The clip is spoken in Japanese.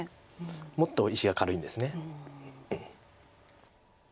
もっと石が軽いんです。